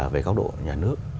về góc độ nhà nước